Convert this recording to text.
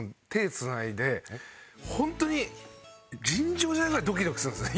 ホントに尋常じゃないぐらいドキドキするんですね